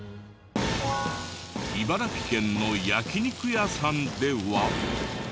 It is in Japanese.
茨城県の焼き肉屋さんでは。